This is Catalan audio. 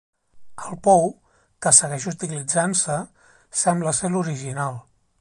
El pou, que segueix utilitzant-se, sembla ser l'original.